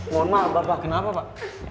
mohon maaf bapak kenapa pak